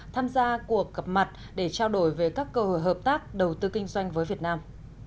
tham gia cuộc gặp mặt để trao đổi về các cơ hội hợp tác đầu tư kinh doanh với việt nam